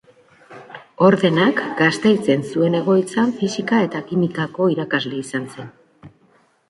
Ordenak Gasteizen zuen egoitzan fisika eta kimikako irakasle izan zen.